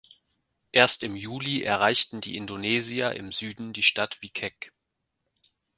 Erst im Juli erreichten die Indonesier im Süden die Stadt Viqueque.